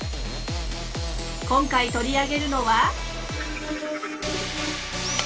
今回取り上げるのは。